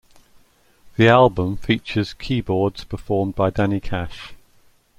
The album features keyboards performed by Danny Cash.